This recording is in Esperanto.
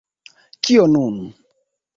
Kio nun?